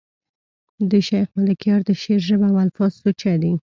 د شېخ ملکیار د شعر ژبه او الفاظ سوچه دي.